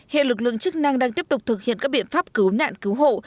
hiện lực lượng chức năng đang tiếp tục thực hiện các biện pháp cứu nạn cứu hộ